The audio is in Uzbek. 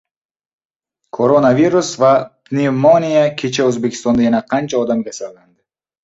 Koronavirus va pnevmoniya: kecha O‘zbekistonda yana qancha odam kasallandi?